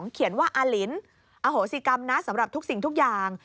เขียนว่าอลินอโหสิกรรมนะสำหรับทุกสิ่งทุกอย่าง